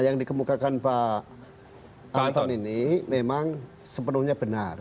dan kebukaan pak anton ini memang sepenuhnya benar